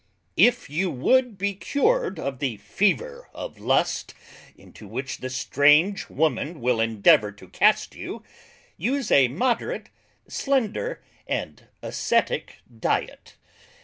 If you would be cured of the Fever of Lust, into which the Strange Woman will endeavour to cast you, use a moderate, slender and ascetick Diet.